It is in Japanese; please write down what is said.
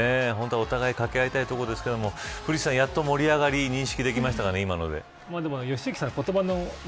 お互いに掛け合いたいところですがやっと盛り上がりを認識でしきましたかね。